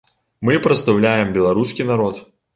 Мы прадстаўляем беларускі народ.